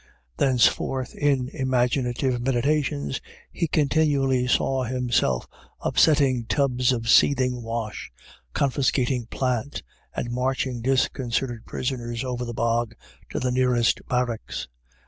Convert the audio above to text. Thenceforth in imaginative meditations he continually saw himself upsetting tubs of seething wash, confiscating plant, and marching disconcerted prisoners over the bog to the nearest barracks.